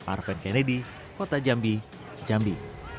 arven kennedy kota jambi jambi